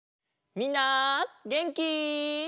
みんなげんき？